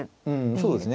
そうですね。